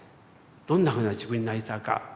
どんなふうな自分になりたいか。